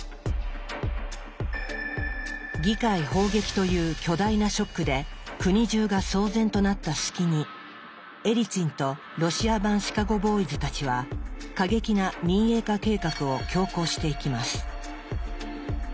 議会砲撃という巨大なショックで国中が騒然となった隙にエリツィンとロシア版シカゴ・ボーイズたちは過激な民営化計画を強行していきます。